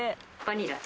バニラ？